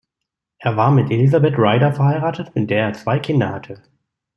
Er war mit Elizabeth Ryder verheiratet, mit der er zwei Kinder hatte.